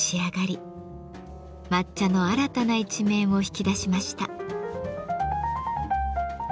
抹茶の新たな一面を引き出しました。